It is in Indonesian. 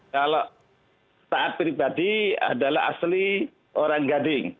kalau taat pribadi adalah asli orang gading